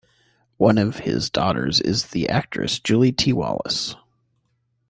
One of his daughters is the actress Julie T. Wallace.